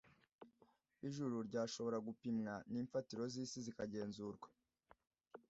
ijuru ryashobora gupimwa n'imfatiro z'isi zikagenzurwa